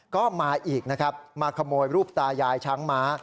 ก็มาอีกนะครับมาขโมยรูปตายายช้างม้า